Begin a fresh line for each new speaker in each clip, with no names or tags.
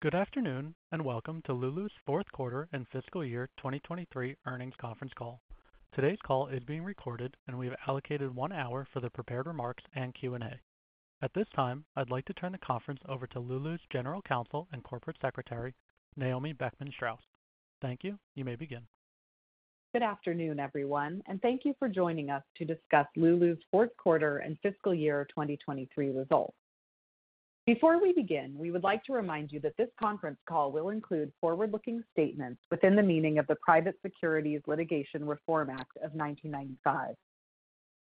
Good afternoon and welcome to Lulus fourth quarter and fiscal year 2023 earnings conference call. Today's call is being recorded, and we have allocated one hour for the prepared remarks and Q&A. At this time, I'd like to turn the conference over to Lulus' General Counsel and Corporate Secretary, Naomi Beckman-Straus. Thank you. You may begin.
Good afternoon, everyone, and thank you for joining us to discuss Lulus fourth quarter and fiscal year 2023 results. Before we begin, we would like to remind you that this conference call will include forward-looking statements within the meaning of the Private Securities Litigation Reform Act of 1995.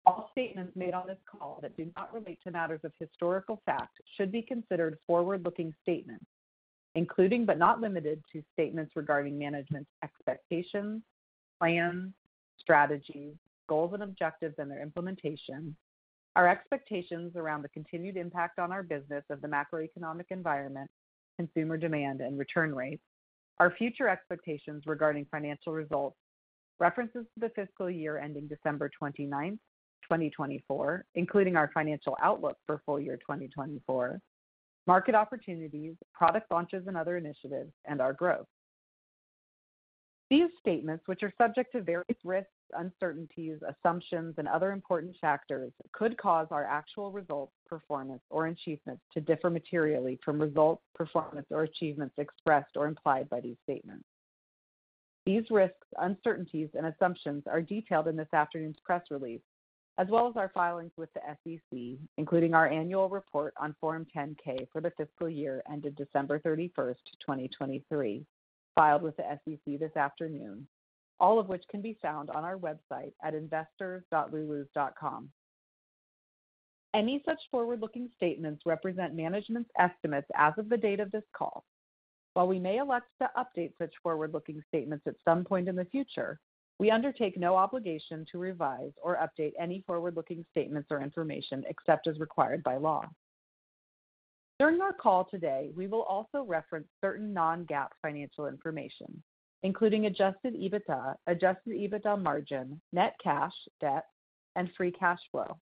All statements made on this call that do not relate to matters of historical fact should be considered forward-looking statements, including but not limited to statements regarding management's expectations, plans, strategies, goals and objectives in their implementation, our expectations around the continued impact on our business of the macroeconomic environment, consumer demand and return rates, our future expectations regarding financial results, references to the fiscal year ending December 29, 2024, including our financial outlook for full year 2024, market opportunities, product launches and other initiatives, and our growth. These statements, which are subject to various risks, uncertainties, assumptions, and other important factors, could cause our actual results, performance, or achievements to differ materially from results, performance, or achievements expressed or implied by these statements. These risks, uncertainties, and assumptions are detailed in this afternoon's press release, as well as our filings with the SEC, including our annual report on Form 10-K for the fiscal year ended December 31st, 2023, filed with the SEC this afternoon, all of which can be found on our website at investors.lulus.com. Any such forward-looking statements represent management's estimates as of the date of this call. While we may elect to update such forward-looking statements at some point in the future, we undertake no obligation to revise or update any forward-looking statements or information except as required by law. During our call today, we will also reference certain non-GAAP financial information, including adjusted EBITDA, adjusted EBITDA margin, net cash, debt, and free cash flow.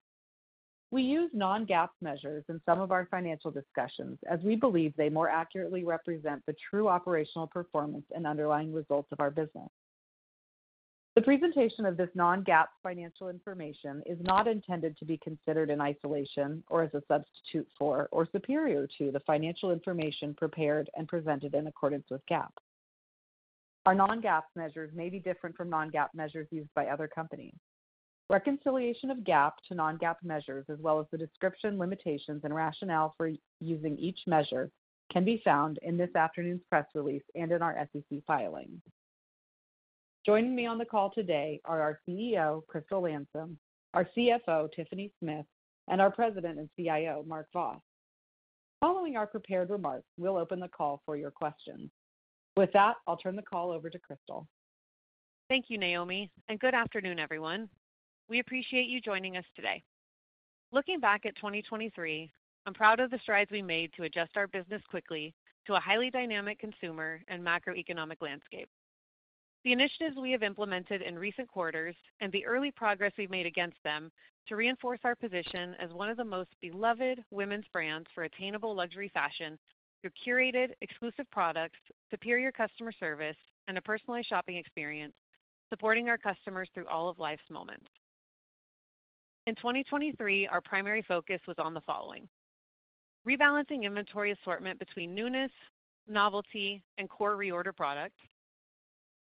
We use non-GAAP measures in some of our financial discussions as we believe they more accurately represent the true operational performance and underlying results of our business. The presentation of this non-GAAP financial information is not intended to be considered in isolation or as a substitute for or superior to the financial information prepared and presented in accordance with GAAP. Our non-GAAP measures may be different from non-GAAP measures used by other companies. Reconciliation of GAAP to non-GAAP measures, as well as the description, limitations, and rationale for using each measure, can be found in this afternoon's press release and in our SEC filings. Joining me on the call today are our CEO, Crystal Landsem, our CFO, Tiffany Smith, and our President and CIO, Mark Vos. Following our prepared remarks, we'll open the call for your questions. With that, I'll turn the call over to Crystal.
Thank you, Naomi, and good afternoon, everyone. We appreciate you joining us today. Looking back at 2023, I'm proud of the strides we made to adjust our business quickly to a highly dynamic consumer and macroeconomic landscape. The initiatives we have implemented in recent quarters and the early progress we've made against them to reinforce our position as one of the most beloved women's brands for attainable luxury fashion through curated, exclusive products, superior customer service, and a personalized shopping experience supporting our customers through all of life's moments. In 2023, our primary focus was on the following: rebalancing inventory assortment between newness, novelty, and core reorder product,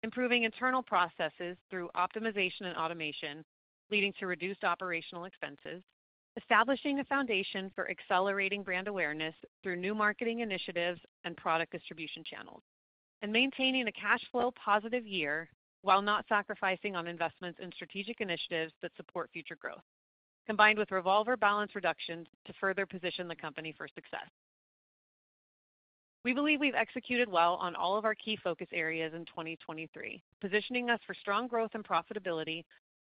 improving internal processes through optimization and automation leading to reduced operational expenses, establishing a foundation for accelerating brand awareness through new marketing initiatives and product distribution channels, and maintaining a cash flow positive year while not sacrificing on investments in strategic initiatives that support future growth, combined with revolver balance reductions to further position the company for success. We believe we've executed well on all of our key focus areas in 2023, positioning us for strong growth and profitability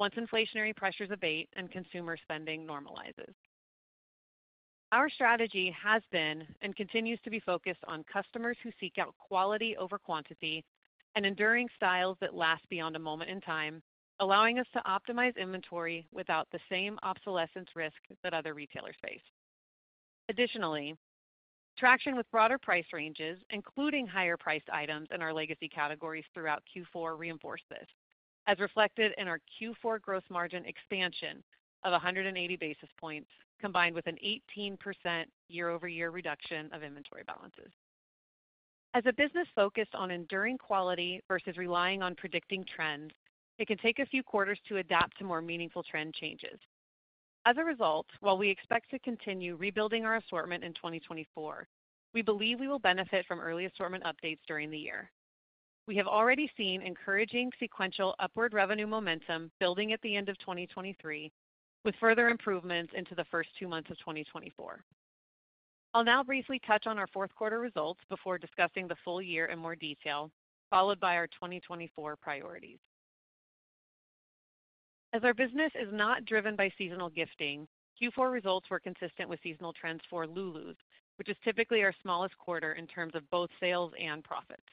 once inflationary pressures abate and consumer spending normalizes. Our strategy has been and continues to be focused on customers who seek out quality over quantity and enduring styles that last beyond a moment in time, allowing us to optimize inventory without the same obsolescence risk that other retailers face. Additionally, traction with broader price ranges, including higher-priced items in our legacy categories throughout Q4, reinforced this, as reflected in our Q4 gross margin expansion of 180 basis points combined with an 18% year-over-year reduction of inventory balances. As a business focused on enduring quality versus relying on predicting trends, it can take a few quarters to adapt to more meaningful trend changes. As a result, while we expect to continue rebuilding our assortment in 2024, we believe we will benefit from early assortment updates during the year. We have already seen encouraging sequential upward revenue momentum building at the end of 2023, with further improvements into the first two months of 2024. I'll now briefly touch on our fourth quarter results before discussing the full year in more detail, followed by our 2024 priorities. As our business is not driven by seasonal gifting, Q4 results were consistent with seasonal trends for Lulus, which is typically our smallest quarter in terms of both sales and profits.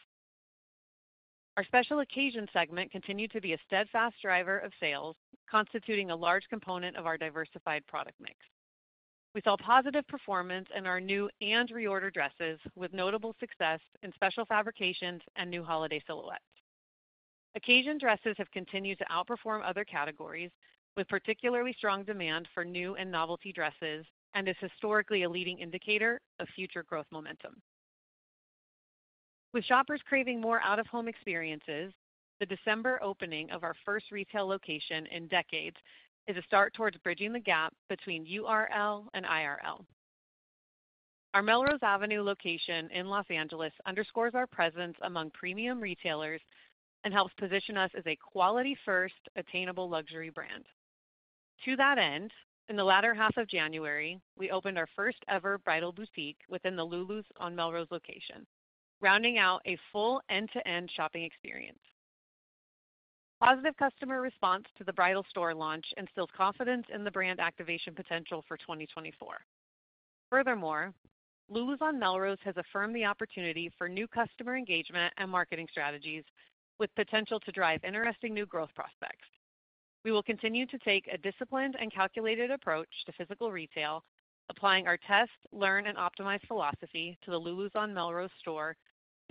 Our special occasion segment continued to be a steadfast driver of sales, constituting a large component of our diversified product mix. We saw positive performance in our new and reorder dresses, with notable success in special fabrications and new holiday silhouettes. Occasion dresses have continued to outperform other categories, with particularly strong demand for new and novelty dresses and as historically a leading indicator of future growth momentum. With shoppers craving more out-of-home experiences, the December opening of our first retail location in decades is a start towards bridging the gap between URL and IRL. Our Melrose Avenue location in Los Angeles underscores our presence among premium retailers and helps position us as a quality-first, attainable luxury brand. To that end, in the latter half of January, we opened our first-ever bridal boutique within the Lulus on Melrose location, rounding out a full end-to-end shopping experience. Positive customer response to the bridal store launch instilled confidence in the brand activation potential for 2024. Furthermore, Lulus on Melrose has affirmed the opportunity for new customer engagement and marketing strategies, with potential to drive interesting new growth prospects. We will continue to take a disciplined and calculated approach to physical retail, applying our test, learn, and optimize philosophy to the Lulus on Melrose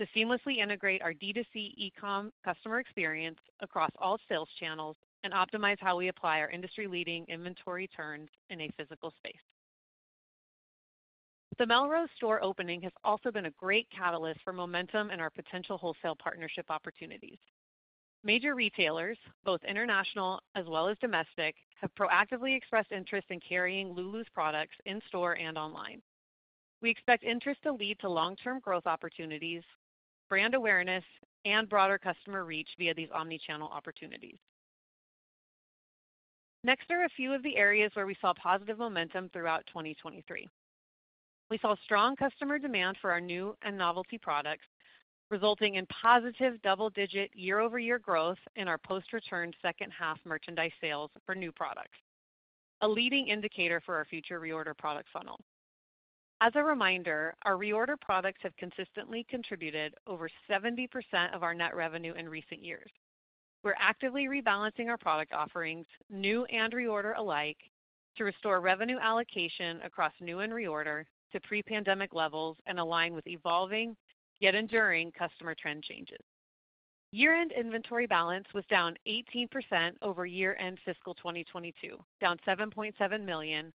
store to seamlessly integrate our D2C e-com customer experience across all sales channels and optimize how we apply our industry-leading inventory turns in a physical space. The Melrose store opening has also been a great catalyst for momentum in our potential wholesale partnership opportunities. Major retailers, both international as well as domestic, have proactively expressed interest in carrying Lulus products in-store and online. We expect interest to lead to long-term growth opportunities, brand awareness, and broader customer reach via these omnichannel opportunities. Next are a few of the areas where we saw positive momentum throughout 2023. We saw strong customer demand for our new and novelty products, resulting in positive double-digit year-over-year growth in our post-return second-half merchandise sales for new products, a leading indicator for our future reorder product funnel. As a reminder, our reorder products have consistently contributed over 70% of our net revenue in recent years. We're actively rebalancing our product offerings, new and reorder alike, to restore revenue allocation across new and reorder to pre-pandemic levels and align with evolving, yet enduring customer trend changes. Year-end inventory balance was down 18% over year-end fiscal 2022, down $7.7 million,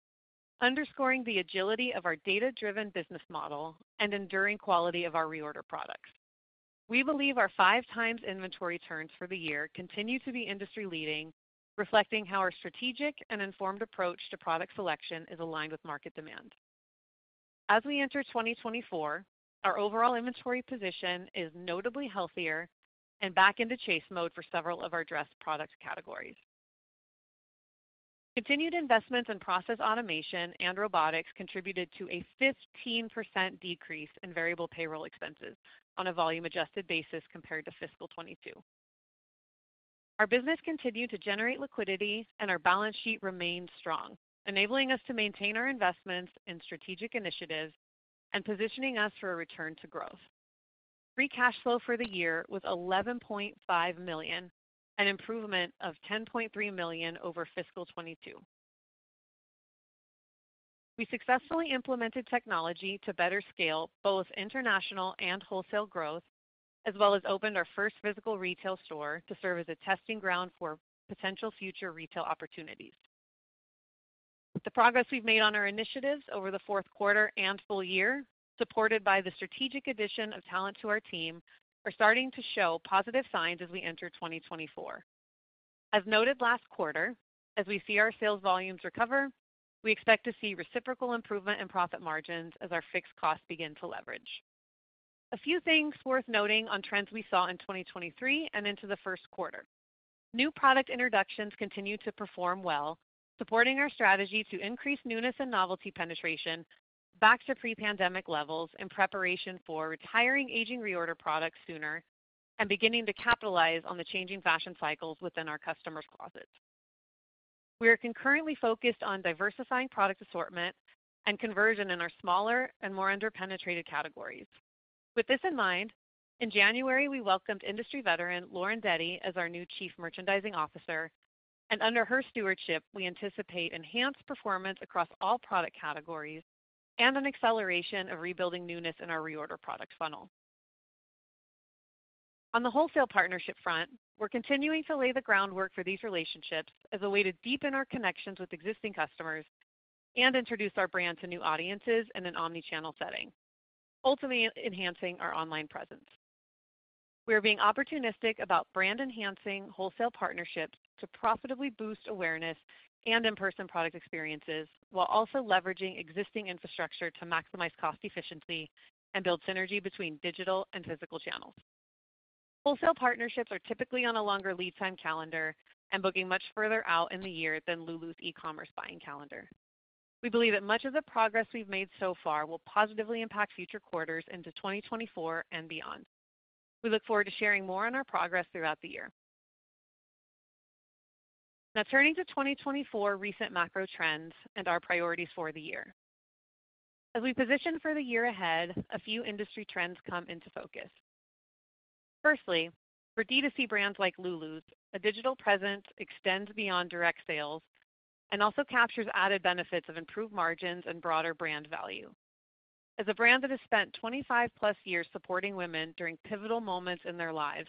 underscoring the agility of our data-driven business model and enduring quality of our reorder products. We believe our 5x inventory turns for the year continue to be industry-leading, reflecting how our strategic and informed approach to product selection is aligned with market demand. As we enter 2024, our overall inventory position is notably healthier and back into chase mode for several of our dress product categories. Continued investments in process automation and robotics contributed to a 15% decrease in variable payroll expenses on a volume-adjusted basis compared to fiscal 2022. Our business continued to generate liquidity, and our balance sheet remained strong, enabling us to maintain our investments in strategic initiatives and positioning us for a return to growth. Free cash flow for the year was $11.5 million, an improvement of $10.3 million over fiscal 2022. We successfully implemented technology to better scale both international and wholesale growth, as well as opened our first physical retail store to serve as a testing ground for potential future retail opportunities. The progress we've made on our initiatives over the fourth quarter and full year, supported by the strategic addition of talent to our team, are starting to show positive signs as we enter 2024. As noted last quarter, as we see our sales volumes recover, we expect to see reciprocal improvement in profit margins as our fixed costs begin to leverage. A few things worth noting on trends we saw in 2023 and into the first quarter. New product introductions continue to perform well, supporting our strategy to increase newness and novelty penetration back to pre-pandemic levels in preparation for retiring aging reorder products sooner and beginning to capitalize on the changing fashion cycles within our customers' closets. We are concurrently focused on diversifying product assortment and conversion in our smaller and more under-penetrated categories. With this in mind, in January, we welcomed industry veteran Laura Deady as our new Chief Merchandising Officer, and under her stewardship, we anticipate enhanced performance across all product categories and an acceleration of rebuilding newness in our reorder product funnel. On the wholesale partnership front, we're continuing to lay the groundwork for these relationships as a way to deepen our connections with existing customers and introduce our brand to new audiences in an omnichannel setting, ultimately enhancing our online presence. We are being opportunistic about brand-enhancing wholesale partnerships to profitably boost awareness and in-person product experiences while also leveraging existing infrastructure to maximize cost efficiency and build synergy between digital and physical channels. Wholesale partnerships are typically on a longer lead time calendar and booking much further out in the year than Lulus e-commerce buying calendar. We believe that much of the progress we've made so far will positively impact future quarters into 2024 and beyond. We look forward to sharing more on our progress throughout the year. Now, turning to 2024 recent macro trends and our priorities for the year. As we position for the year ahead, a few industry trends come into focus. Firstly, for D2C brands like Lulus, a digital presence extends beyond direct sales and also captures added benefits of improved margins and broader brand value. As a brand that has spent 25+ years supporting women during pivotal moments in their lives,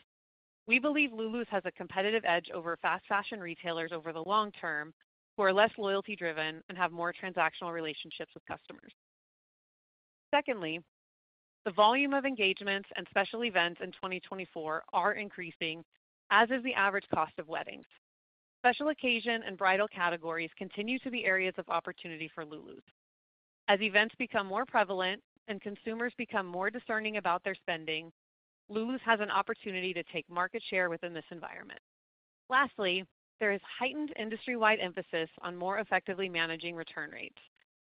we believe Lulus has a competitive edge over fast fashion retailers over the long term who are less loyalty-driven and have more transactional relationships with customers. Secondly, the volume of engagements and special events in 2024 are increasing, as is the average cost of weddings. Special occasion and bridal categories continue to be areas of opportunity for Lulus. As events become more prevalent and consumers become more discerning about their spending, Lulus has an opportunity to take market share within this environment. Lastly, there is heightened industry-wide emphasis on more effectively managing return rates,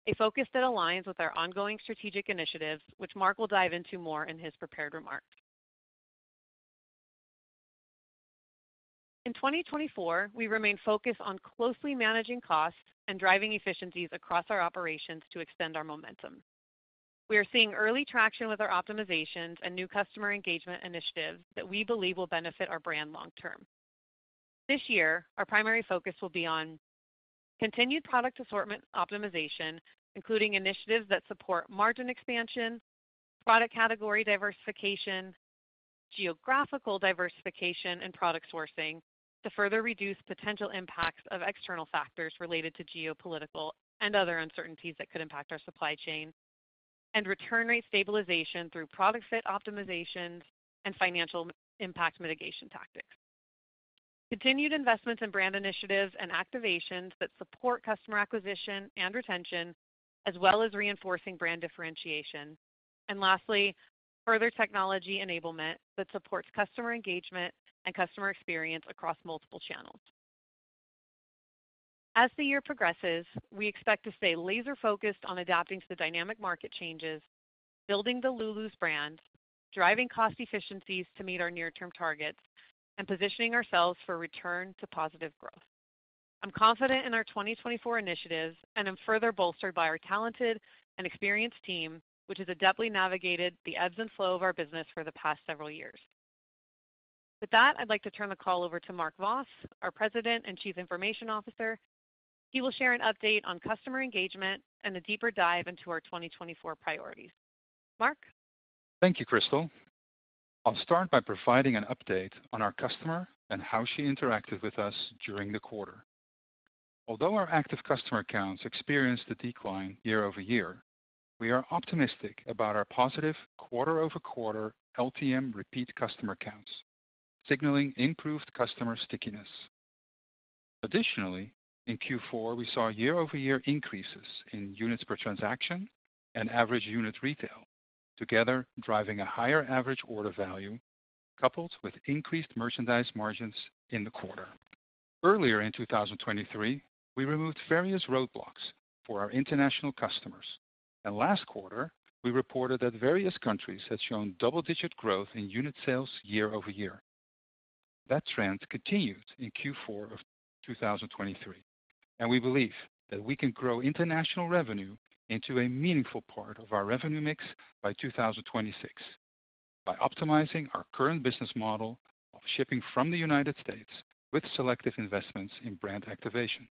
a focus that aligns with our ongoing strategic initiatives, which Mark will dive into more in his prepared remarks. In 2024, we remain focused on closely managing costs and driving efficiencies across our operations to extend our momentum. We are seeing early traction with our optimizations and new customer engagement initiatives that we believe will benefit our brand long term. This year, our primary focus will be on continued product assortment optimization, including initiatives that support margin expansion, product category diversification, geographical diversification, and product sourcing to further reduce potential impacts of external factors related to geopolitical and other uncertainties that could impact our supply chain, and return rate stabilization through product fit optimizations and financial impact mitigation tactics. Continued investments in brand initiatives and activations that support customer acquisition and retention, as well as reinforcing brand differentiation, and lastly, further technology enablement that supports customer engagement and customer experience across multiple channels. As the year progresses, we expect to stay laser-focused on adapting to the dynamic market changes, building the Lulus brand, driving cost efficiencies to meet our near-term targets, and positioning ourselves for return to positive growth. I'm confident in our 2024 initiatives and am further bolstered by our talented and experienced team, which has adeptly navigated the ebbs and flows of our business for the past several years. With that, I'd like to turn the call over to Mark Vos, our President and Chief Information Officer. He will share an update on customer engagement and a deeper dive into our 2024 priorities. Mark?
Thank you, Crystal. I'll start by providing an update on our customer and how she interacted with us during the quarter. Although our active customer counts experienced a decline year over year, we are optimistic about our positive quarter-over-quarter LTM repeat customer counts, signaling improved customer stickiness. Additionally, in Q4, we saw year-over-year increases in units per transaction and average unit retail, together driving a higher average order value coupled with increased merchandise margins in the quarter. Earlier in 2023, we removed various roadblocks for our international customers, and last quarter, we reported that various countries had shown double-digit growth in unit sales year over year. That trend continued in Q4 of 2023, and we believe that we can grow international revenue into a meaningful part of our revenue mix by 2026 by optimizing our current business model of shipping from the United States with selective investments in brand activation.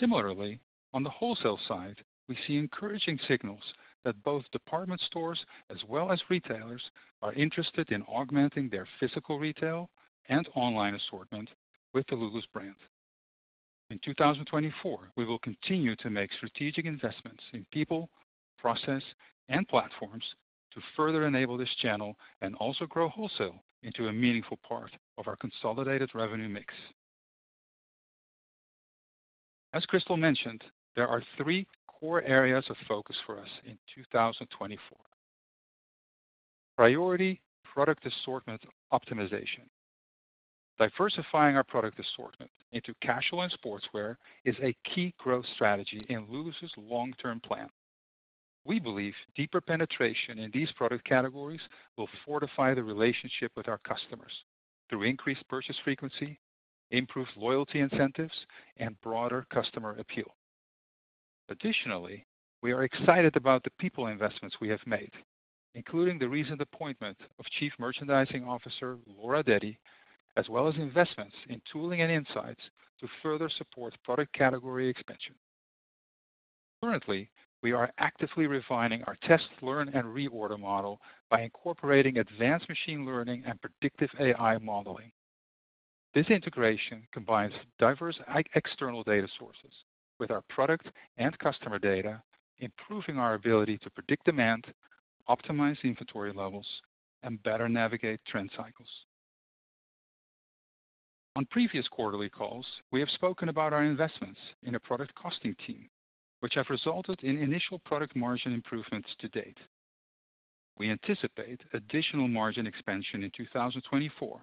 Similarly, on the wholesale side, we see encouraging signals that both department stores as well as retailers are interested in augmenting their physical retail and online assortment with the Lulus brand. In 2024, we will continue to make strategic investments in people, process, and platforms to further enable this channel and also grow wholesale into a meaningful part of our consolidated revenue mix. As Crystal mentioned, there are three core areas of focus for us in 2024. Priority, product assortment optimization. Diversifying our product assortment into casual and sportswear is a key growth strategy in Lulus long-term plan. We believe deeper penetration in these product categories will fortify the relationship with our customers through increased purchase frequency, improved loyalty incentives, and broader customer appeal. Additionally, we are excited about the people investments we have made, including the recent appointment of Chief Merchandising Officer Laura Deady, as well as investments in tooling and insights to further support product category expansion. Currently, we are actively refining our test, learn, and reorder model by incorporating advanced machine learning and predictive AI modeling. This integration combines diverse external data sources with our product and customer data, improving our ability to predict demand, optimize inventory levels, and better navigate trend cycles. On previous quarterly calls, we have spoken about our investments in a product costing team, which have resulted in initial product margin improvements to date. We anticipate additional margin expansion in 2024,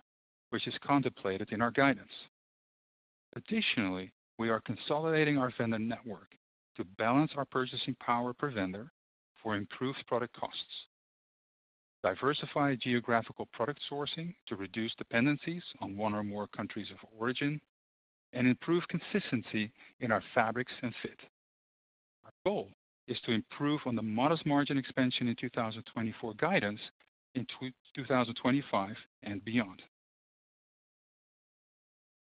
which is contemplated in our guidance. Additionally, we are consolidating our vendor network to balance our purchasing power per vendor for improved product costs, diversify geographical product sourcing to reduce dependencies on one or more countries of origin, and improve consistency in our fabrics and fit. Our goal is to improve on the modest margin expansion in 2024 guidance in 2025 and beyond.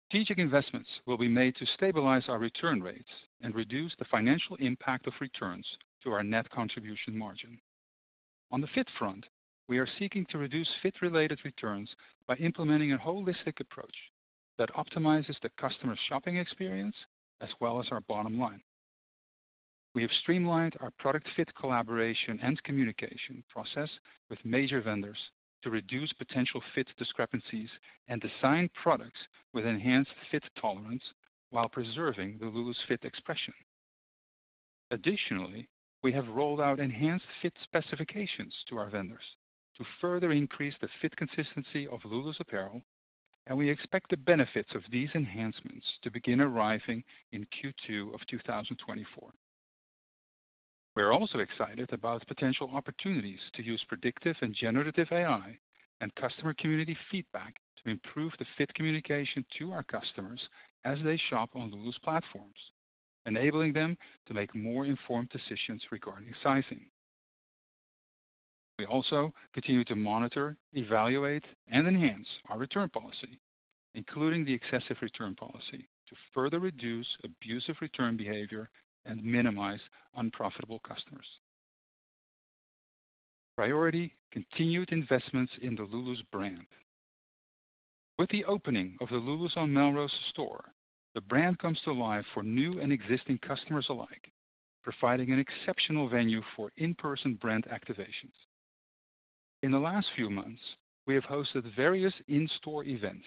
Strategic investments will be made to stabilize our return rates and reduce the financial impact of returns to our net contribution margin. On the fit front, we are seeking to reduce fit-related returns by implementing a holistic approach that optimizes the customer's shopping experience as well as our bottom line. We have streamlined our product fit collaboration and communication process with major vendors to reduce potential fit discrepancies and design products with enhanced fit tolerance while preserving the Lulus fit expression. Additionally, we have rolled out enhanced fit specifications to our vendors to further increase the fit consistency of Lulus apparel, and we expect the benefits of these enhancements to begin arriving in Q2 of 2024. We are also excited about potential opportunities to use predictive and generative AI and customer community feedback to improve the fit communication to our customers as they shop on Lulus platforms, enabling them to make more informed decisions regarding sizing. We also continue to monitor, evaluate, and enhance our return policy, including the excessive return policy to further reduce abusive return behavior and minimize unprofitable customers. Priority, continued investments in the Lulus brand. With the opening of the Lulus on Melrose store, the brand comes to life for new and existing customers alike, providing an exceptional venue for in-person brand activations. In the last few months, we have hosted various in-store events,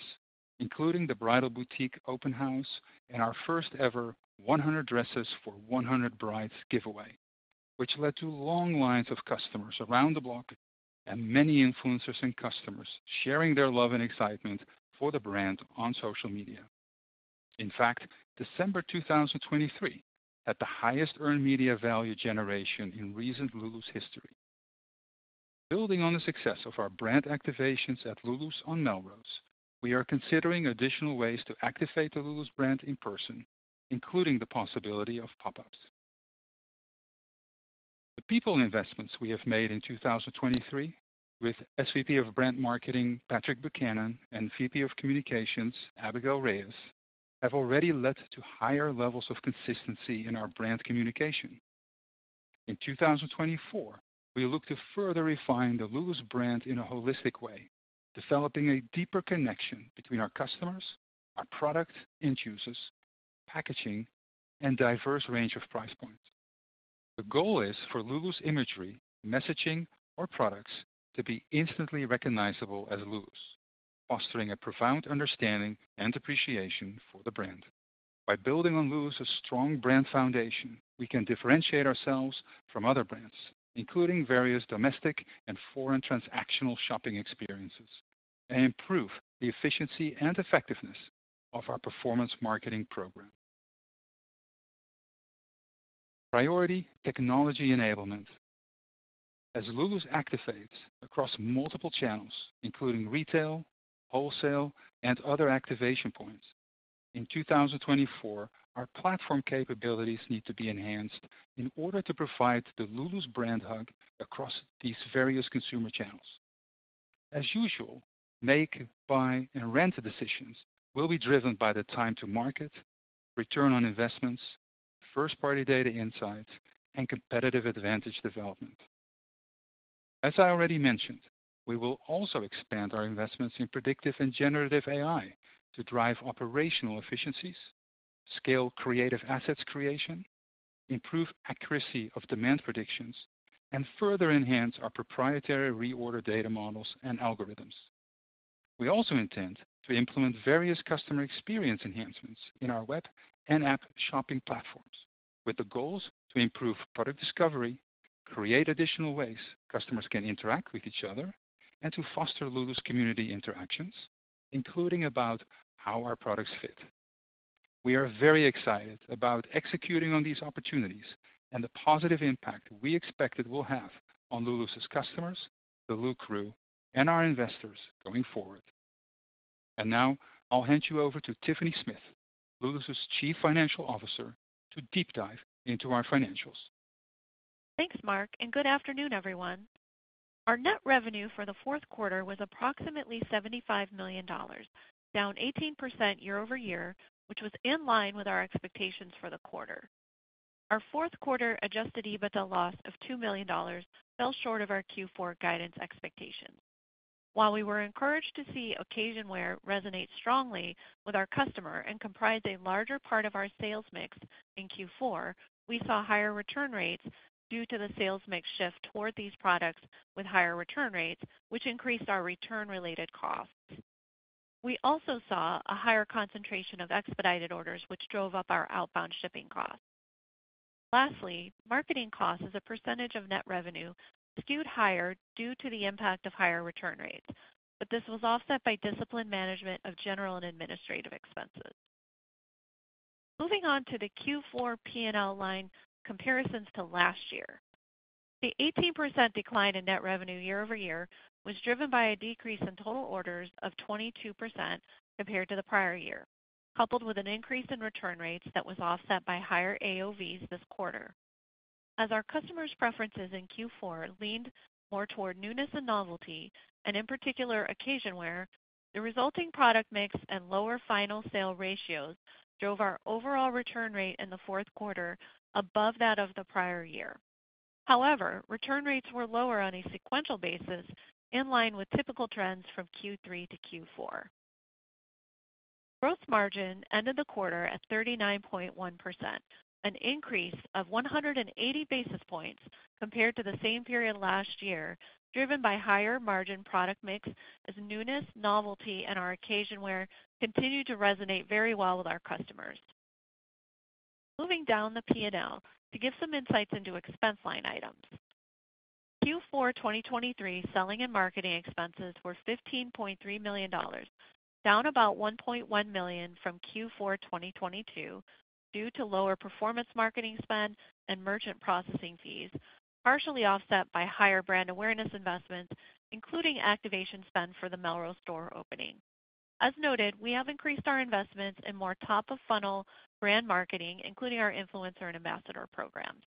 including the Bridal Boutique Open House and our first-ever 100 Dresses for 100 Brides giveaway, which led to long lines of customers around the block and many influencers and customers sharing their love and excitement for the brand on social media. In fact, December 2023 had the highest earned media value generation in recent Lulus history. Building on the success of our brand activations at Lulus on Melrose, we are considering additional ways to activate the Lulus brand in person, including the possibility of pop-ups. The people investments we have made in 2023 with SVP of Brand Marketing Patrick Buchanan and VP of Communications Abigail Reyes have already led to higher levels of consistency in our brand communication. In 2024, we look to further refine the Lulus brand in a holistic way, developing a deeper connection between our customers, our product and choices, packaging, and diverse range of price points. The goal is for Lulus imagery, messaging, or products to be instantly recognizable as Lulus, fostering a profound understanding and appreciation for the brand. By building on Lulus strong brand foundation, we can differentiate ourselves from other brands, including various domestic and foreign transactional shopping experiences, and improve the efficiency and effectiveness of our performance marketing program. Priority, technology enablement. As Lulus activates across multiple channels, including retail, wholesale, and other activation points, in 2024, our platform capabilities need to be enhanced in order to provide the Lulus brand hug across these various consumer channels. As usual, make, buy, and rent decisions will be driven by the time-to-market, return on investments, first-party data insights, and competitive advantage development. As I already mentioned, we will also expand our investments in predictive and generative AI to drive operational efficiencies, scale creative assets creation, improve accuracy of demand predictions, and further enhance our proprietary reorder data models and algorithms. We also intend to implement various customer experience enhancements in our web and app shopping platforms, with the goals to improve product discovery, create additional ways customers can interact with each other, and to foster Lulus community interactions, including about how our products fit. We are very excited about executing on these opportunities and the positive impact we expect it will have on Lulus customers, the Lulus crew, and our investors going forward. And now, I'll hand you over to Tiffany Smith, Lulus Chief Financial Officer, to deep dive into our financials.
Thanks, Marc, and good afternoon, everyone. Our net revenue for the fourth quarter was approximately $75 million, down 18% year-over-year, which was in line with our expectations for the quarter. Our fourth quarter Adjusted EBITDA loss of $2 million fell short of our Q4 guidance expectations. While we were encouraged to see occasion wear resonate strongly with our customer and comprise a larger part of our sales mix in Q4, we saw higher return rates due to the sales mix shift toward these products with higher return rates, which increased our return-related costs. We also saw a higher concentration of expedited orders, which drove up our outbound shipping costs. Lastly, marketing costs as a percentage of net revenue skewed higher due to the impact of higher return rates, but this was offset by discipline management of general and administrative expenses. Moving on to the Q4 P&L line comparisons to last year, the 18% decline in net revenue year-over-year was driven by a decrease in total orders of 22% compared to the prior year, coupled with an increase in return rates that was offset by higher AOVs this quarter. As our customers' preferences in Q4 leaned more toward newness and novelty, and in particular occasion wear, the resulting product mix and lower final sale ratios drove our overall return rate in the fourth quarter above that of the prior year. However, return rates were lower on a sequential basis, in line with typical trends from Q3-Q4. Gross margin ended the quarter at 39.1%, an increase of 180 basis points compared to the same period last year, driven by higher margin product mix as newness, novelty, and our occasion wear continued to resonate very well with our customers. Moving down the P&L to give some insights into expense line items. Q4 2023 selling and marketing expenses were $15.3 million, down about $1.1 million from Q4 2022 due to lower performance marketing spend and merchant processing fees, partially offset by higher brand awareness investments, including activation spend for the Melrose store opening. As noted, we have increased our investments in more top-of-funnel brand marketing, including our influencer and ambassador programs.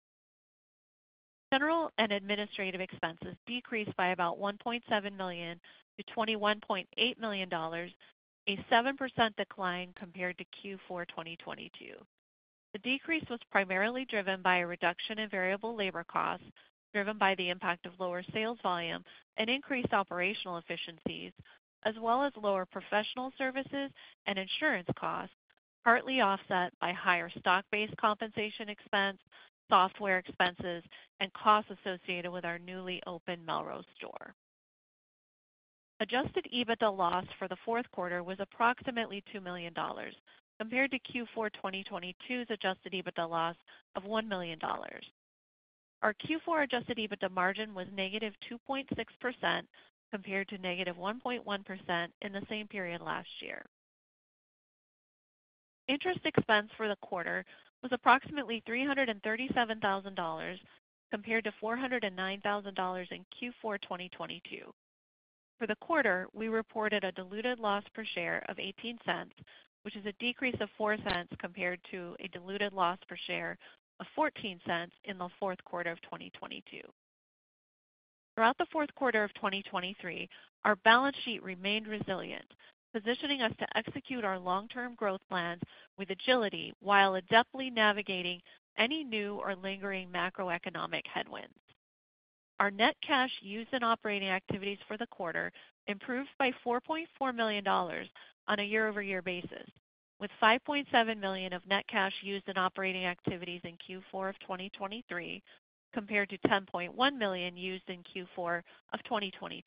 General and administrative expenses decreased by about $1.7 million-$21.8 million, a 7% decline compared to Q4 2022. The decrease was primarily driven by a reduction in variable labor costs driven by the impact of lower sales volume and increased operational efficiencies, as well as lower professional services and insurance costs, partly offset by higher stock-based compensation expense, software expenses, and costs associated with our newly opened Melrose store. Adjusted EBITDA loss for the fourth quarter was approximately $2 million compared to Q4 2022's adjusted EBITDA loss of $1 million. Our Q4 adjusted EBITDA margin was -2.6% compared to -1.1% in the same period last year. Interest expense for the quarter was approximately $337,000 compared to $409,000 in Q4 2022. For the quarter, we reported a diluted loss per share of $0.18, which is a decrease of $0.04 compared to a diluted loss per share of $0.14 in the fourth quarter of 2022. Throughout the fourth quarter of 2023, our balance sheet remained resilient, positioning us to execute our long-term growth plans with agility while adeptly navigating any new or lingering macroeconomic headwinds. Our net cash used in operating activities for the quarter improved by $4.4 million on a year-over-year basis, with $5.7 million of net cash used in operating activities in Q4 of 2023 compared to $10.1 million used in Q4 of 2022.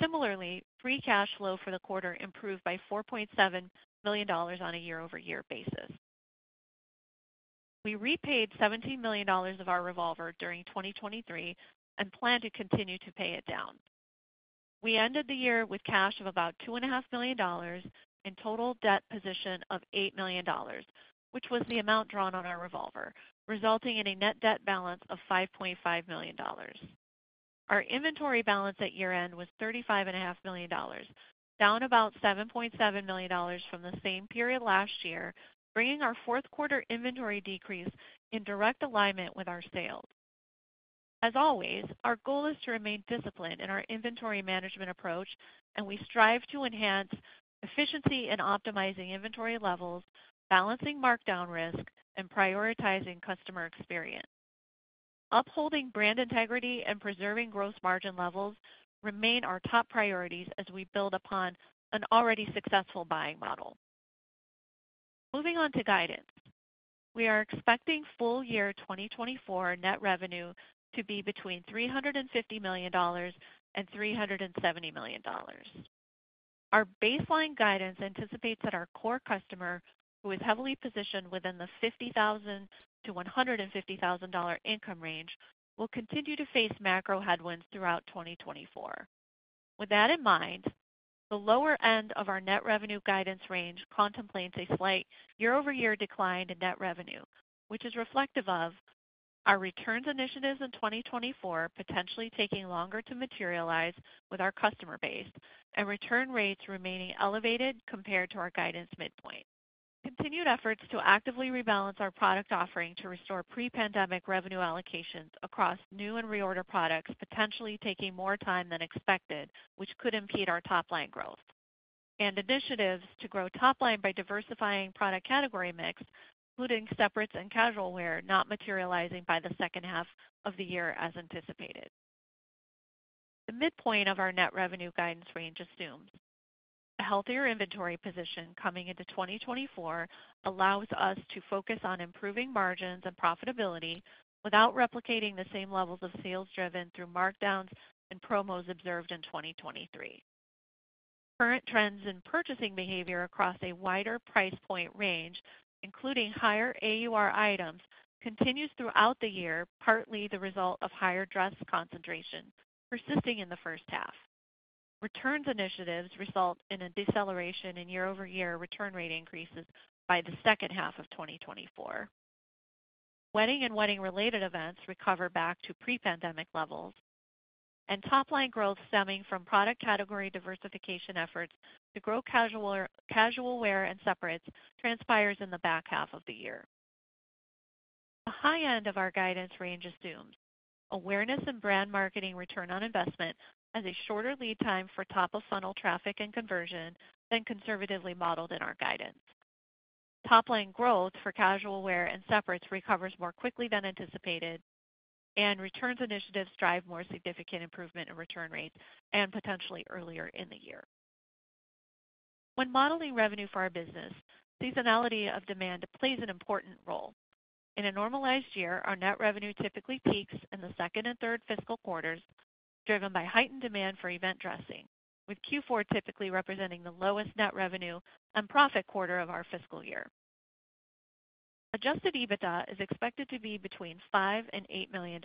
Similarly, free cash flow for the quarter improved by $4.7 million on a year-over-year basis. We repaid $17 million of our revolver during 2023 and plan to continue to pay it down. We ended the year with cash of about $2.5 million and total debt position of $8 million, which was the amount drawn on our revolver, resulting in a net debt balance of $5.5 million. Our inventory balance at year-end was $35.5 million, down about $7.7 million from the same period last year, bringing our fourth quarter inventory decrease in direct alignment with our sales. As always, our goal is to remain disciplined in our inventory management approach, and we strive to enhance efficiency in optimizing inventory levels, balancing markdown risk, and prioritizing customer experience. Upholding brand integrity and preserving gross margin levels remain our top priorities as we build upon an already successful buying model. Moving on to guidance, we are expecting full-year 2024 net revenue to be between $350 million-$370 million. Our baseline guidance anticipates that our core customer, who is heavily positioned within the $50,000-$150,000 income range, will continue to face macro headwinds throughout 2024. With that in mind, the lower end of our net revenue guidance range contemplates a slight year-over-year decline in net revenue, which is reflective of our returns initiatives in 2024 potentially taking longer to materialize with our customer base and return rates remaining elevated compared to our guidance midpoint. Continued efforts to actively rebalance our product offering to restore pre-pandemic revenue allocations across new and reorder products potentially taking more time than expected, which could impede our top-line growth. Initiatives to grow top-line by diversifying product category mix, including separates and casual wear not materializing by the second half of the year as anticipated. The midpoint of our net revenue guidance range assumes a healthier inventory position coming into 2024 allows us to focus on improving margins and profitability without replicating the same levels of sales driven through markdowns and promos observed in 2023. Current trends in purchasing behavior across a wider price point range, including higher AUR items, continue throughout the year, partly the result of higher dress concentration persisting in the first half. Returns initiatives result in a deceleration in year-over-year return rate increases by the second half of 2024. Wedding and wedding-related events recover back to pre-pandemic levels, and top-line growth stemming from product category diversification efforts to grow casual wear and separates transpires in the back half of the year. The high end of our guidance range assumes awareness and brand marketing return on investment as a shorter lead time for top-of-funnel traffic and conversion than conservatively modeled in our guidance. Top-line growth for casual wear and separates recovers more quickly than anticipated, and returns initiatives drive more significant improvement in return rates and potentially earlier in the year. When modeling revenue for our business, seasonality of demand plays an important role. In a normalized year, our net revenue typically peaks in the second and third fiscal quarters, driven by heightened demand for event dressing, with Q4 typically representing the lowest net revenue and profit quarter of our fiscal year. Adjusted EBITDA is expected to be between $5 million and $8 million.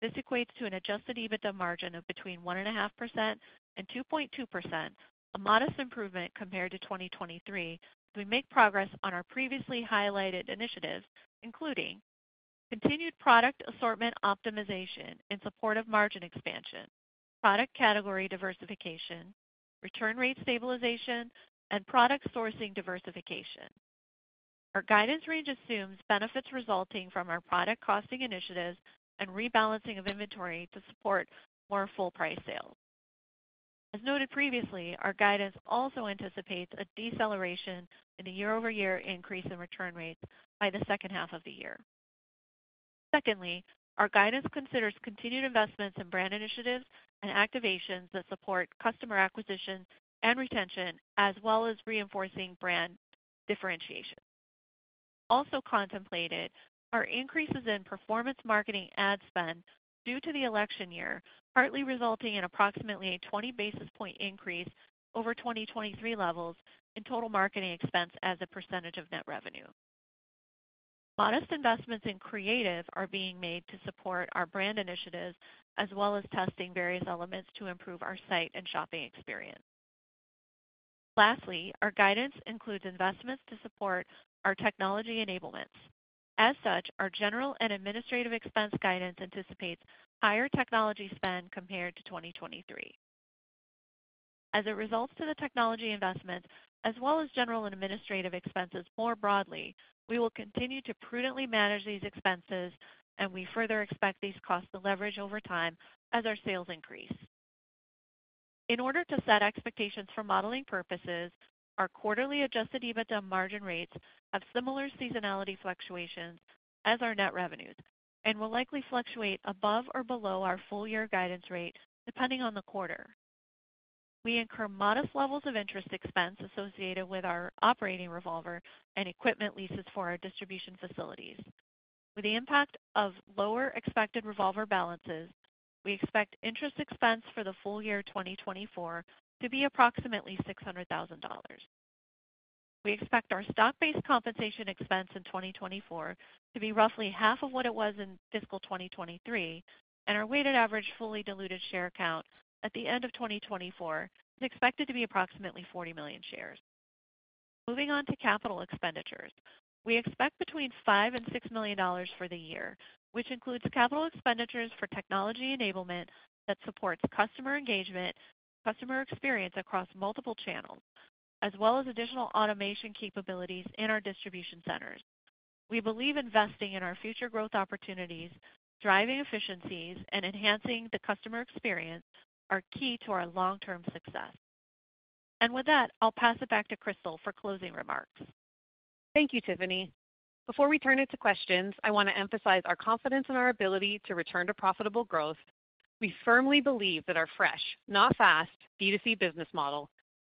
This equates to an adjusted EBITDA margin of between 1.5% and 2.2%, a modest improvement compared to 2023 as we make progress on our previously highlighted initiatives, including continued product assortment optimization in support of margin expansion, product category diversification, return rate stabilization, and product sourcing diversification. Our guidance range assumes benefits resulting from our product costing initiatives and rebalancing of inventory to support more full-price sales. As noted previously, our guidance also anticipates a deceleration in the year-over-year increase in return rates by the second half of the year. Secondly, our guidance considers continued investments in brand initiatives and activations that support customer acquisition and retention, as well as reinforcing brand differentiation. Also contemplated are increases in performance marketing ad spend due to the election year, partly resulting in approximately a 20 basis point increase over 2023 levels in total marketing expense as a percentage of net revenue. Modest investments in creative are being made to support our brand initiatives, as well as testing various elements to improve our site and shopping experience. Lastly, our guidance includes investments to support our technology enablements. As such, our general and administrative expense guidance anticipates higher technology spend compared to 2023. As it results to the technology investments, as well as general and administrative expenses more broadly, we will continue to prudently manage these expenses, and we further expect these costs to leverage over time as our sales increase. In order to set expectations for modeling purposes, our quarterly Adjusted EBITDA Margin rates have similar seasonality fluctuations as our net revenues and will likely fluctuate above or below our full-year guidance rate depending on the quarter. We incur modest levels of interest expense associated with our operating revolver and equipment leases for our distribution facilities. With the impact of lower expected revolver balances, we expect interest expense for the full year 2024 to be approximately $600,000. We expect our stock-based compensation expense in 2024 to be roughly half of what it was in fiscal 2023, and our weighted average fully diluted share count at the end of 2024 is expected to be approximately 40 million shares. Moving on to capital expenditures, we expect between $5million-$6 million for the year, which includes capital expenditures for technology enablement that supports customer engagement and customer experience across multiple channels, as well as additional automation capabilities in our distribution centers. We believe investing in our future growth opportunities, driving efficiencies, and enhancing the customer experience are key to our long-term success. And with that, I'll pass it back to Crystal for closing remarks.
Thank you, Tiffany. Before we turn it to questions, I want to emphasize our confidence in our ability to return to profitable growth. We firmly believe that our fresh, not fast, B2C business model,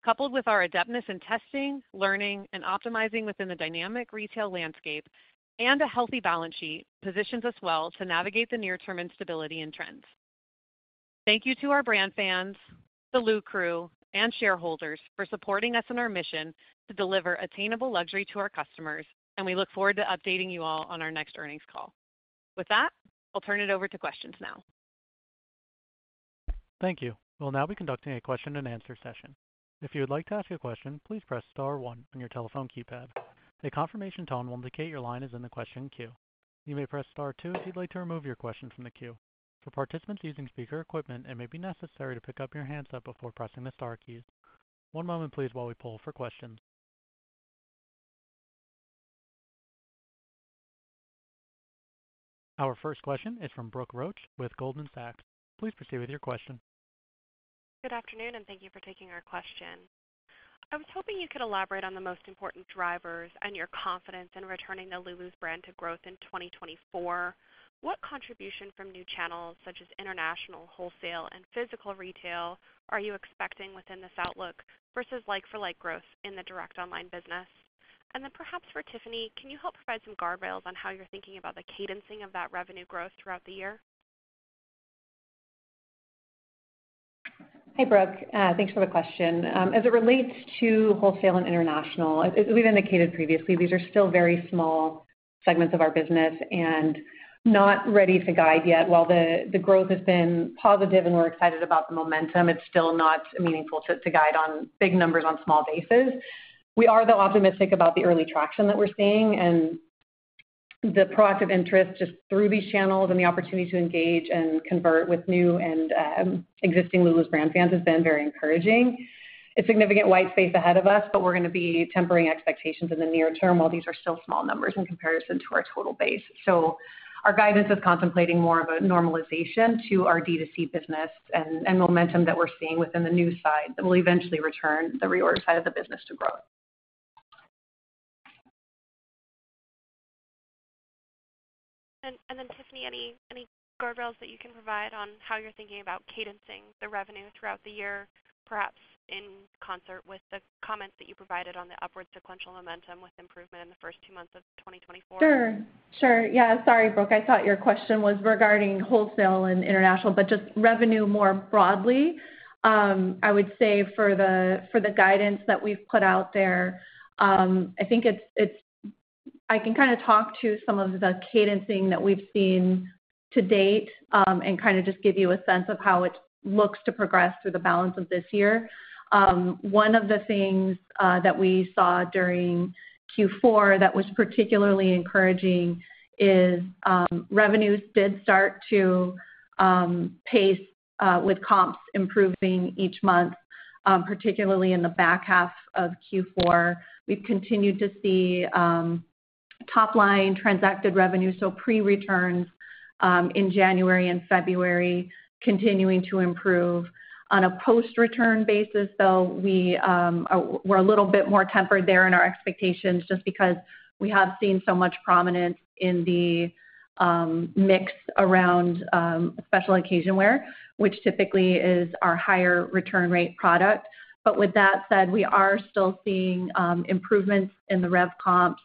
coupled with our adeptness in testing, learning, and optimizing within the dynamic retail landscape, and a healthy balance sheet, positions us well to navigate the near-term instability and trends. Thank you to our brand fans, the Lu crew, and shareholders for supporting us in our mission to deliver attainable luxury to our customers, and we look forward to updating you all on our next earnings call. With that, I'll turn it over to questions now.
Thank you. We'll now be conducting a question-and-answer session. If you would like to ask a question, please press star one on your telephone keypad. A confirmation tone will indicate your line is in the question queue. You may press star two if you'd like to remove your question from the queue. For participants using speaker equipment, it may be necessary to pick up your handset before pressing the star keys. One moment, please, while we pull for questions. Our first question is from Brooke Roach with Goldman Sachs. Please proceed with your question.
Good afternoon, and thank you for taking our question. I was hoping you could elaborate on the most important drivers and your confidence in returning the Lulus brand to growth in 2024. What contribution from new channels, such as international, wholesale, and physical retail, are you expecting within this outlook versus like-for-like growth in the direct online business? And then perhaps for Tiffany, can you help provide some guardrails on how you're thinking about the cadencing of that revenue growth throughout the year?
Hi, Brooke. Thanks for the question. As it relates to wholesale and international, as we've indicated previously, these are still very small segments of our business and not ready to guide yet. While the growth has been positive and we're excited about the momentum, it's still not meaningful to guide on big numbers on small bases. We are, though, optimistic about the early traction that we're seeing, and the proactive interest just through these channels and the opportunity to engage and convert with new and existing Lulus brand fans has been very encouraging. It's significant white space ahead of us, but we're going to be tempering expectations in the near term while these are still small numbers in comparison to our total base. Our guidance is contemplating more of a normalization to our D2C business and momentum that we're seeing within the new side that will eventually return the reorder side of the business to growth.
Tiffany, any guardrails that you can provide on how you're thinking about cadencing the revenue throughout the year, perhaps in concert with the comments that you provided on the upward sequential momentum with improvement in the first two months of 2024?
Sure. Sure. Yeah. Sorry, Brooke. I thought your question was regarding wholesale and international, but just revenue more broadly. I would say for the guidance that we've put out there, I think I can kind of talk to some of the cadencing that we've seen to date and kind of just give you a sense of how it looks to progress through the balance of this year. One of the things that we saw during Q4 that was particularly encouraging is revenues did start to pace with comps improving each month, particularly in the back half of Q4. We've continued to see top-line transacted revenue, so pre-returns in January and February continuing to improve. On a post-return basis, though, we're a little bit more tempered there in our expectations just because we have seen so much prominence in the mix around special occasion wear, which typically is our higher return rate product. With that said, we are still seeing improvements in the rev comps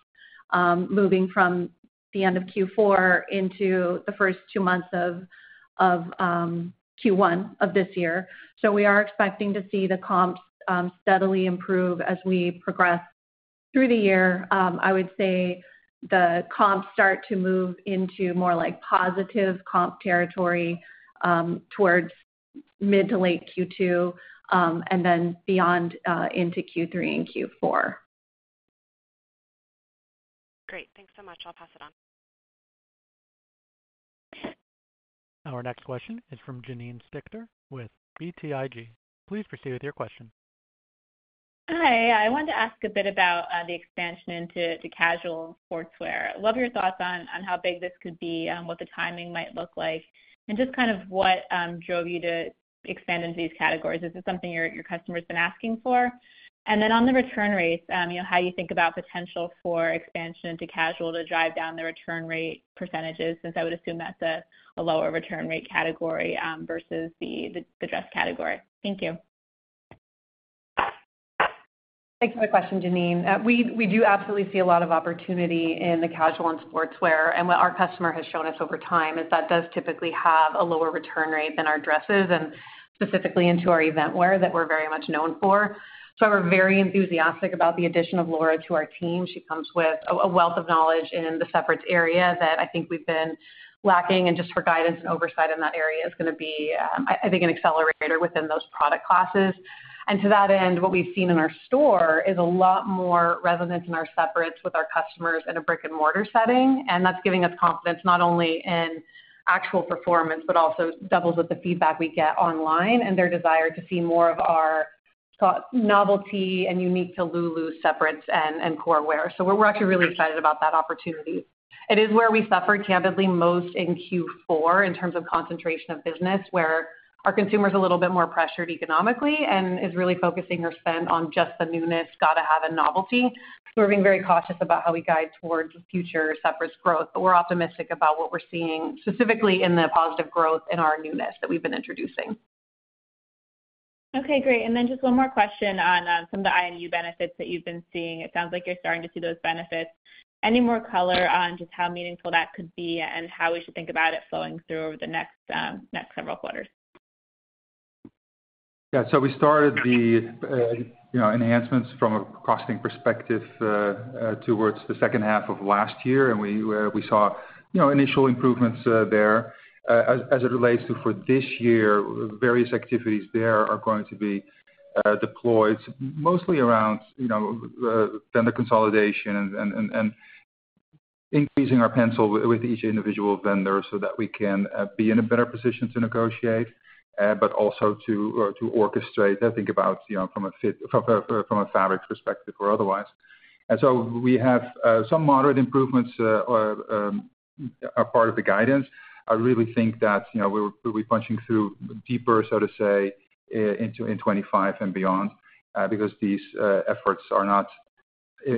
moving from the end of Q4 into the first two months of Q1 of this year. We are expecting to see the comps steadily improve as we progress through the year. I would say the comps start to move into more positive comp territory towards mid to late Q2 and then beyond into Q3 and Q4.
Great. Thanks so much. I'll pass it on.
Our next question is from Janine Stichter with BTIG. Please proceed with your question.
Hi. I wanted to ask a bit about the expansion into casual sportswear. Love your thoughts on how big this could be, what the timing might look like, and just kind of what drove you to expand into these categories. Is this something your customer's been asking for? And then on the return rates, how do you think about potential for expansion into casual to drive down the return rate percentages since I would assume that's a lower return rate category versus the dress category? Thank you.
Thanks for the question, Janine. We do absolutely see a lot of opportunity in the casual and sportswear. And what our customer has shown us over time is that does typically have a lower return rate than our dresses, and specifically into our event wear that we're very much known for. So I was very enthusiastic about the addition of Laura to our team. She comes with a wealth of knowledge in the separates area that I think we've been lacking. And just for guidance and oversight in that area is going to be, I think, an accelerator within those product classes. And to that end, what we've seen in our store is a lot more resonance in our separates with our customers in a brick-and-mortar setting. That's giving us confidence not only in actual performance but also doubles with the feedback we get online and their desire to see more of our novelty and unique-to-Lulus separates and core wear. So we're actually really excited about that opportunity. It is where we suffered, candidly, most in Q4 in terms of concentration of business, where our consumer's a little bit more pressured economically and is really focusing her spend on just the newness, got to have a novelty. So we're being very cautious about how we guide towards future separates growth, but we're optimistic about what we're seeing, specifically in the positive growth in our newness that we've been introducing.
Okay. Great. And then just one more question on some of the IMU benefits that you've been seeing. It sounds like you're starting to see those benefits. Any more color on just how meaningful that could be and how we should think about it flowing through over the next several quarters?
Yeah. So we started the enhancements from a costing perspective towards the second half of last year, and we saw initial improvements there. As it relates to for this year, various activities there are going to be deployed, mostly around vendor consolidation and increasing our pencil with each individual vendor so that we can be in a better position to negotiate, but also to orchestrate and think about from a fabric perspective or otherwise. And so we have some moderate improvements as part of the guidance. I really think that we'll be punching through deeper, so to say, in 2025 and beyond because these efforts are not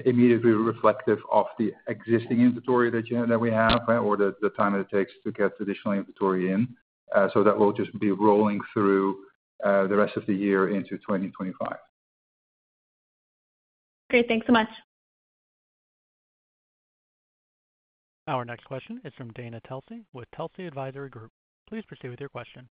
immediately reflective of the existing inventory that we have or the time it takes to get additional inventory in. So that will just be rolling through the rest of the year into 2025.
Great. Thanks so much.
Our next question is from Dana Telsey with Telsey Advisory Group. Please proceed with your question.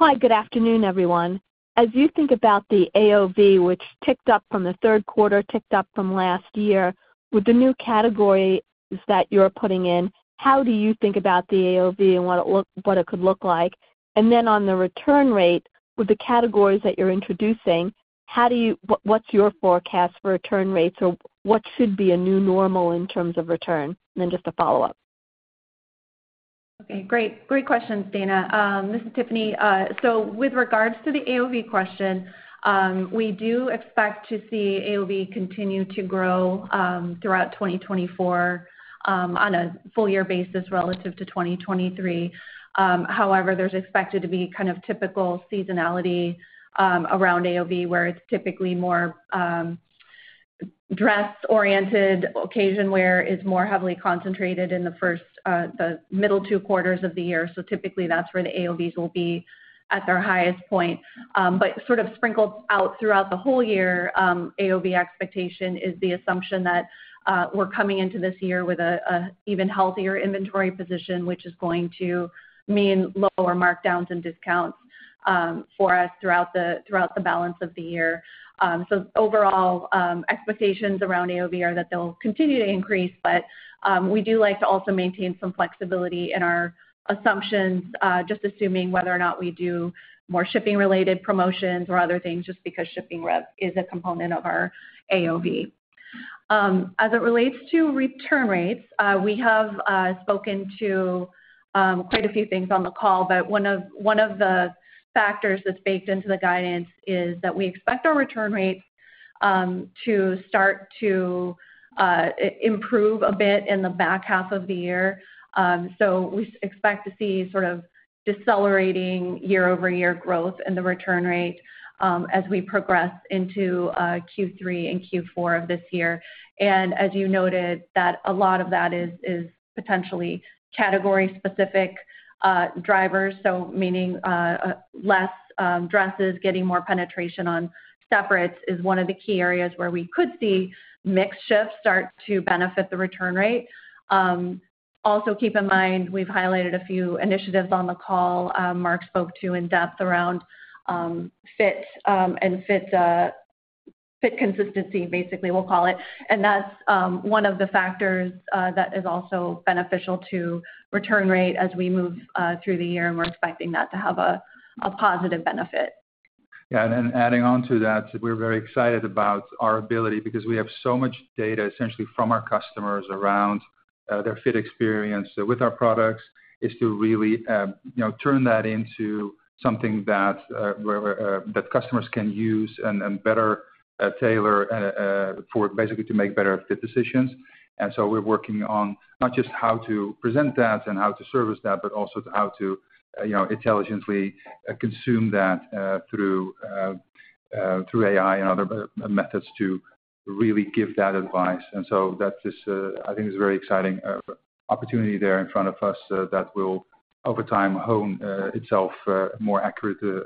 Hi. Good afternoon, everyone. As you think about the AOV, which ticked up from the third quarter, ticked up from last year, with the new categories that you're putting in, how do you think about the AOV and what it could look like? And then on the return rate, with the categories that you're introducing, what's your forecast for return rates, or what should be a new normal in terms of return? And then just a follow-up.
Okay. Great. Great questions, Dana. This is Tiffany. So with regards to the AOV question, we do expect to see AOV continue to grow throughout 2024 on a full-year basis relative to 2023. However, there's expected to be kind of typical seasonality around AOV, where it's typically more dress-oriented. Occasion wear is more heavily concentrated in the middle two quarters of the year. So typically, that's where the AOVs will be at their highest point. But sort of sprinkled out throughout the whole year, AOV expectation is the assumption that we're coming into this year with an even healthier inventory position, which is going to mean lower markdowns and discounts for us throughout the balance of the year. So overall, expectations around AOV are that they'll continue to increase, but we do like to also maintain some flexibility in our assumptions, just assuming whether or not we do more shipping-related promotions or other things just because shipping rev is a component of our AOV. As it relates to return rates, we have spoken to quite a few things on the call, but one of the factors that's baked into the guidance is that we expect our return rates to start to improve a bit in the back half of the year. So we expect to see sort of decelerating year-over-year growth in the return rate as we progress into Q3 and Q4 of this year. And as you noted, a lot of that is potentially category-specific drivers, so meaning less dresses, getting more penetration on separates is one of the key areas where we could see mix shifts start to benefit the return rate. Also, keep in mind, we've highlighted a few initiatives on the call Mark spoke to in depth around fit and fit consistency, basically, we'll call it. And that's one of the factors that is also beneficial to return rate as we move through the year, and we're expecting that to have a positive benefit.
Yeah. And then, adding on to that, we're very excited about our ability because we have so much data essentially from our customers around their fit experience with our products is to really turn that into something that customers can use and better tailor for basically to make better fit decisions. And so we're working on not just how to present that and how to service that, but also how to intelligently consume that through AI and other methods to really give that advice. And so I think it's a very exciting opportunity there in front of us that will, over time, hone itself more accurately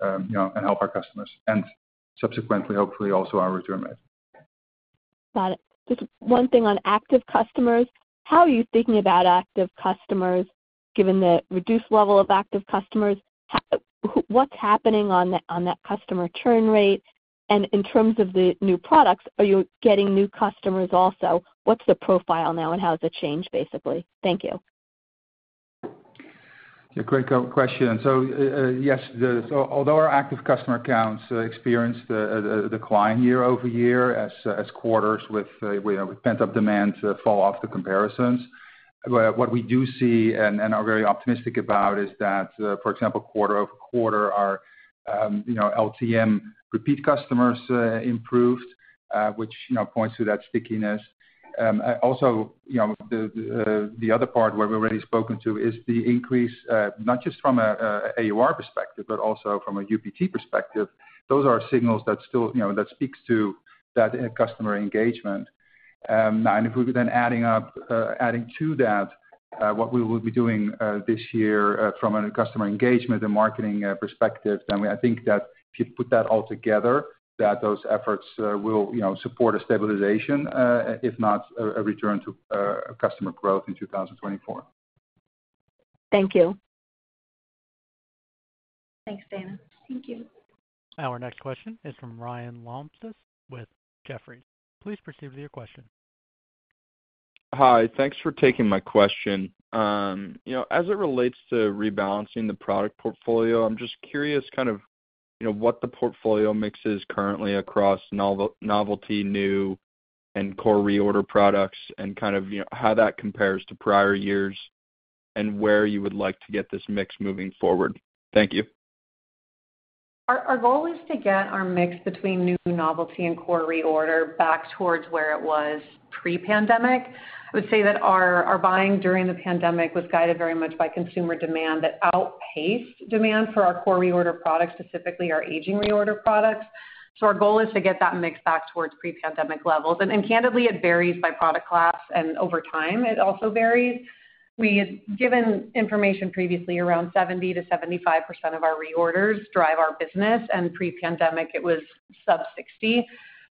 and help our customers and subsequently, hopefully, also our return rate.
Got it. Just one thing on active customers. How are you thinking about active customers given the reduced level of active customers? What's happening on that customer turn rate? And in terms of the new products, are you getting new customers also? What's the profile now, and how has it changed, basically? Thank you.
Yeah. Great question. So yes, although our active customer counts experienced a decline year-over-year as quarters with pent-up demand fall off the comparisons, what we do see and are very optimistic about is that, for example, quarter-over-quarter, our LTM repeat customers improved, which points to that stickiness. Also, the other part where we've already spoken to is the increase not just from an AUR perspective, but also from a UPT perspective. Those are signals that speak to that customer engagement. Now, and if we're then adding to that what we will be doing this year from a customer engagement and marketing perspective, then I think that if you put that all together, that those efforts will support a stabilization, if not a return to customer growth in 2024.
Thank you.
Thanks, Dana.
Thank you.
Our next question is from Ryan Shumway with Jefferies. Please proceed with your question.
Hi. Thanks for taking my question. As it relates to rebalancing the product portfolio, I'm just curious kind of what the portfolio mix is currently across novelty, new, and core reorder products and kind of how that compares to prior years and where you would like to get this mix moving forward? Thank you.
Our goal is to get our mix between new, novelty, and core reorder back towards where it was pre-pandemic. I would say that our buying during the pandemic was guided very much by consumer demand that outpaced demand for our core reorder products, specifically our aging reorder products. So our goal is to get that mix back towards pre-pandemic levels. And candidly, it varies by product class, and over time, it also varies. Given information previously, around 70%-75% of our reorders drive our business, and pre-pandemic, it was sub-60%.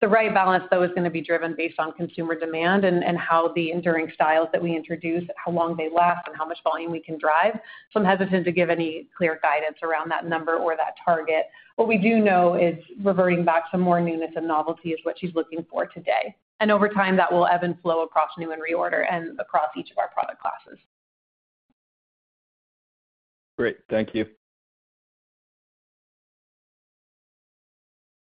The right balance, though, is going to be driven based on consumer demand and how the enduring styles that we introduce, how long they last, and how much volume we can drive. So I'm hesitant to give any clear guidance around that number or that target. What we do know is reverting back to more newness and novelty is what she's looking for today. Over time, that will ebb and flow across new and reorder and across each of our product classes.
Great. Thank you.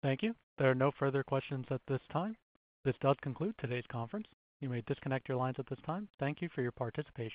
Thank you. There are no further questions at this time. This does conclude today's conference. You may disconnect your lines at this time. Thank you for your participation.